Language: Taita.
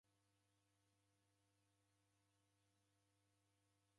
Wacha niroghua vala viduu.